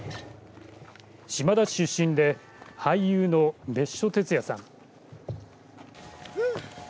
島田市出身で俳優の別所哲也さん。